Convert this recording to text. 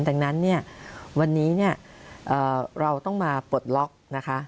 ดังนั้นเนี่ยวันนี้เนี่ยเราต้องมาปลดล็อกนะคะ